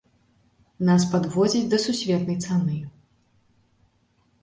Нас падводзяць да сусветнай цаны.